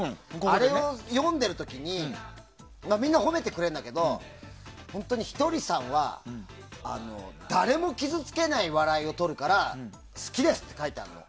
あれを読んでる時にみんな褒めてくれるんだけど本当にひとりさんは誰も傷つけない笑いを取るから好きですって書いてあったの。